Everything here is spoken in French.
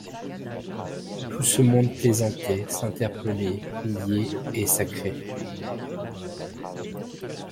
Tout ce monde plaisantait, s'interpellait, riait et sacrait.